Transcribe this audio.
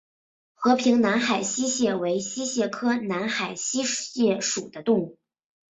和平南海溪蟹为溪蟹科南海溪蟹属的动物。